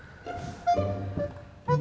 bu dausah ya bu